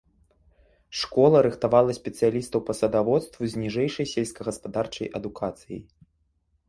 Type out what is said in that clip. Школа рыхтавала спецыялістаў па садаводству з ніжэйшай сельскагаспадарчай адукацыяй.